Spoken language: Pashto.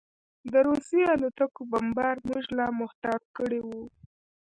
د روسي الوتکو بمبار موږ لا محتاط کړي وو